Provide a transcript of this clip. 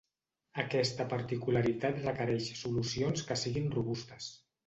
Aquesta particularitat requereix solucions que siguin robustes.